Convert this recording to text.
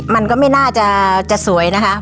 มันก็ไม่น่าจะสวยนะคะ